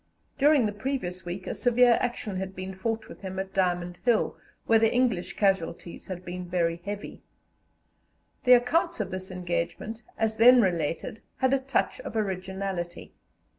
During the previous week a severe action had been fought with him at Diamond Hill, where the English casualties had been very heavy. The accounts of this engagement, as then related, had a touch of originality.